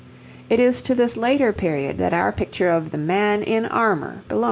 It is to this later period that our picture of the 'Man in Armour' belongs.